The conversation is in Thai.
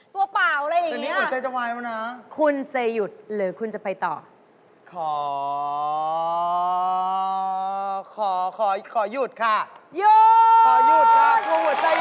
ตัวเปล่าอะไรอย่างนี้อ่ะคุณจะหยุดหรือคุณจะไปต่อคือหนูก็อยากอยู่แต่ใจหนึ่งหนูก็กลัวแบบกลับไปแบบ